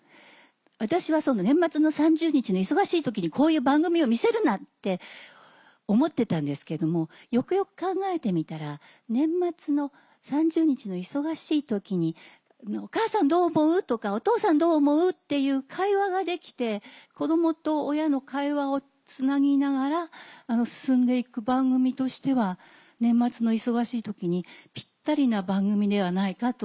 私は年末の３０日の忙しい時にこういう番組を見せるなって思ってたんですけれどもよくよく考えてみたら年末の３０日の忙しい時に「お母さんどう思う？」とか「お父さんどう思う？」っていう会話ができて子供と親の会話をつなぎながら進んでいく番組としては年末の忙しい時にピッタリな番組ではないかと。